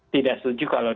tidak setuju kalau